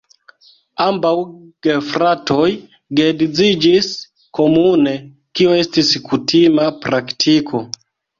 Ambaŭ gefratoj geedziĝis komune, kio estis kutima praktiko.